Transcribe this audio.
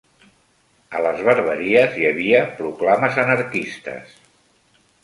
A les barberies, hi havia proclames anarquistes